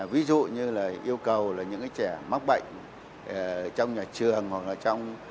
ví dụ như là yêu cầu là những trẻ mắc bệnh trong nhà trường hoặc là trong